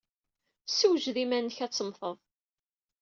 Ssewjed iman-nnek ad temmteḍ!